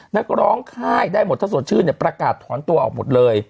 นักร้องค่ายได้หมดถ้าสดชื่นเนี่ยประกาศถอนตัวออกหมดเลย